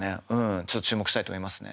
ちょっと注目したいと思いますね。